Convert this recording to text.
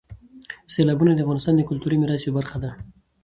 سیلابونه د افغانستان د کلتوري میراث یوه برخه ده.